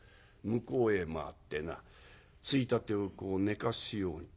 向こうへ回ってな衝立をこう寝かすように。